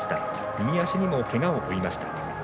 右足にも、けがを負いました。